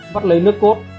bắt lấy nước cốt